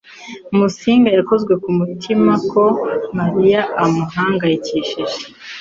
Musinga yakozwe ku mutima ko Mariya amuhangayikishije.